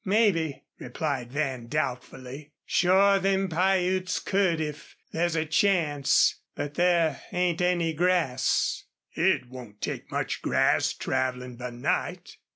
"Mebbe," replied Van, doubtfully. "Sure them Piutes could if there's a chance. But there ain't any grass." "It won't take much grass travelin' by night."